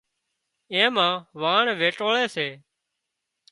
اين مان واڻ ويٽوۯي سي